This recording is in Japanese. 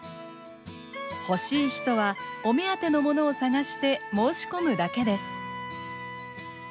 欲しい人はお目当てのものを探して申し込むだけです。